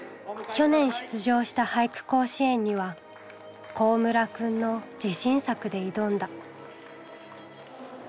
去年出場した俳句甲子園には幸村くんの自信作で挑んだ。